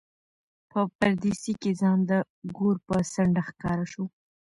په پردېسۍ کې ځان د ګور په څنډه ښکاره شو.